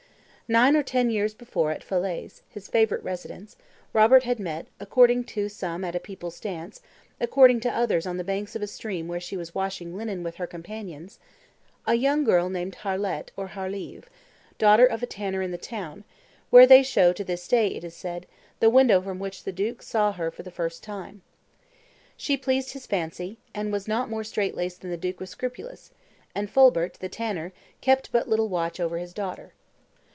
Nine or ten years before, at Falaise, his favorite residence, Robert had met, according to some at a people's dance, according to others on the banks of a stream where she was washing linen with her companions, a young girl named Harlette or Harleve, daughter of a tanner in the town, where they show to this day, it is said, the window from which the duke saw her for the first time. She pleased his fancy, and was not more strait laced than the duke was scrupulous; and Fulbert, the tanner, kept but little watch over his daughter.